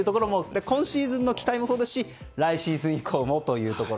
今シーズンの期待もそうですし来シーズン以降もというところ。